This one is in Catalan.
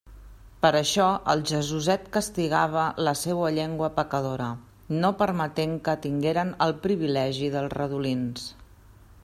Per això el Jesuset castigava la seua llengua pecadora, no permetent que tingueren el privilegi dels redolins.